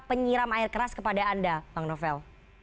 penyiram air keras kepada anda bang novel